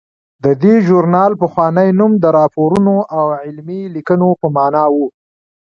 د دې ژورنال پخوانی نوم د راپورونو او علمي لیکنو په مانا و.